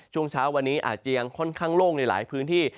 ช่วงเช้าวันนี้อาจจะยังค่อนข้างโล่งในหลายพื้นที่